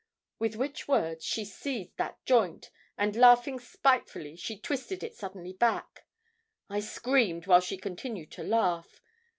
With which words she seized that joint, and laughing spitefully, she twisted it suddenly back. I screamed while she continued to laugh.